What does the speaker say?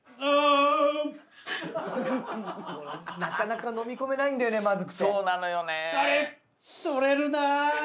なかなかのみ込めないんだよねまずくて。